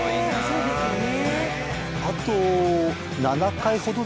そうですね。